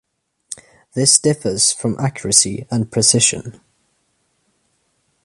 This differs from accuracy and precision.